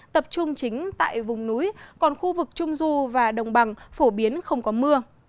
tập trung chính tại vùng núi còn khu vực trung du và đồng bằng phổ biến không có mưa